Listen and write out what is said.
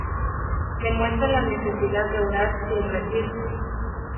Demuestra la necesidad de orar sin rendirse.